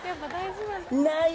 ない！